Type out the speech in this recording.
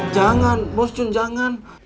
jangan bos jun jangan